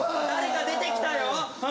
誰か出てきたよ！